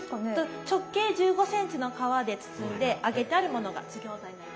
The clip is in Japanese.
直径１５ｃｍの皮で包んで揚げてあるものが津ぎょうざになります。